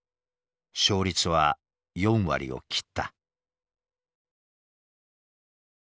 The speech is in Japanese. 勝率は４割を切った。